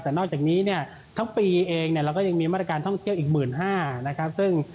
แต่นอกจากนี้เนี่ยทั้งปีเองเนี่ยเราก็ยังมีมาตรการท่องเที่ยวอีก๑๕๐๐นะครับ